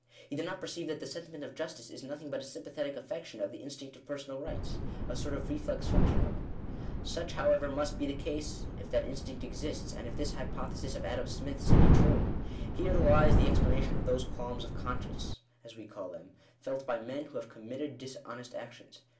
He did not perceive that the sentiment of justice is nothing but a sympathetic affection of. the instinct of personal rights— a sort of reflex function of it. H Digitized by VjOOQIC 98 SECONDARY DERIVATION OF A FIRST PRINCIPLE. Such, however, must be the case, if that instinct exists, and if this hypothesis of Adam Smith's be true. Here lies the ex planation of those qualms of conscience, as we call them, felt by men who have committed dishonest actions.